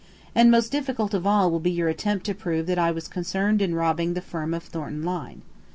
And most difficult of all will be your attempt to prove that I was concerned in robbing the firm of Thornton Lyne.